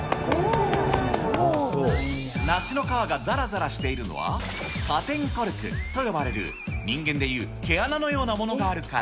梨の皮がざらざらしているのは、果点コルクと呼ばれる、人間で言う、毛穴のようなものがあるから。